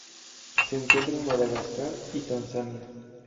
Se encuentra en Madagascar y Tanzania.